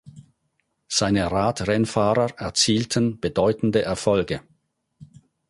Seine Radrennfahrer erzielten bedeutende Erfolge.